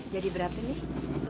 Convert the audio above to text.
jadi berapa ini